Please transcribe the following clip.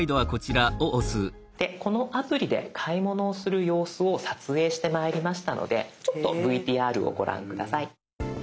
でこのアプリで買い物をする様子を撮影してまいりましたのでちょっとＶＴＲをご覧下さい。